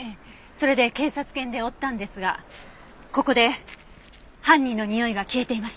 それで警察犬で追ったんですがここで犯人のにおいが消えていました。